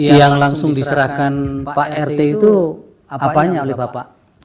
yang langsung diserahkan pak rt itu apanya oleh bapak